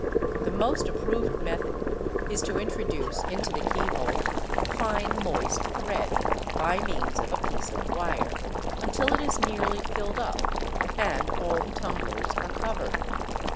The most approved method is to introduce into the keyhole fine moist thread, by means of a piece of wire, until it is nearly filled up, and all the tumblers are covered.